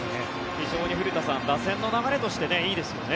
非常に古田さん打線の流れとしていいですよね。